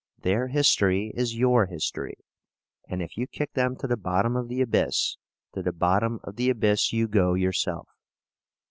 Their history is your history, and if you kick them to the bottom of the abyss, to the bottom of the abyss you go yourself.